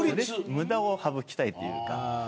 無駄を省きたいというか。